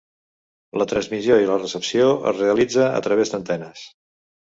La transmissió i la recepció es realitza a través d'antenes.